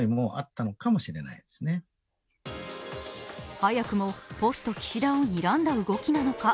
早くもポスト岸田をにらんだ動きなのか？